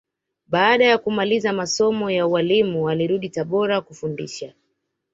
Baada ya kumaliza masomo ya ualimu alirudi Tabora kufundisha